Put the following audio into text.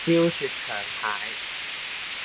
燒雪場蟹